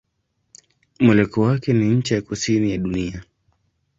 Mwelekeo wake ni ncha ya kusini ya dunia.